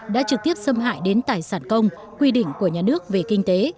đã trực tiếp xâm hại đến tài sản công quy định của nhà nước về kinh tế